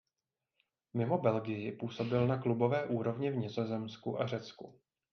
Mimo Belgii působil na klubové úrovni v Nizozemsku a Řecku.